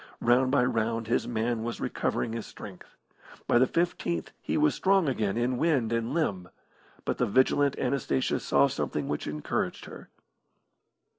Round by round his man was recovering his strength. By the fifteenth he was strong again in wind and limb. But the vigilant Anastasia saw something which encouraged her.